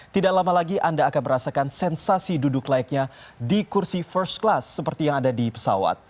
tidak lama lagi anda akan merasakan sensasi duduk layaknya di kursi first class seperti yang ada di pesawat